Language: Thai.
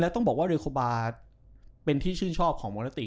ต้องบอกว่าโรคโลปาเป็นชื่นชอบของมงติ